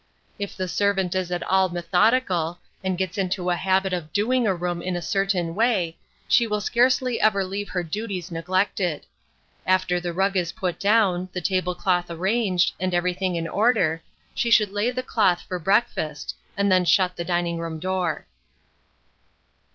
If the servant is at all methodical, and gets into a habit of doing a room in a certain way, she will scarcely ever leave her duties neglected. After the rug is put down, the table cloth arranged, and everything in order, she should lay the cloth for breakfast, and then shut the dining room door.